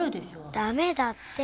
ダメだって。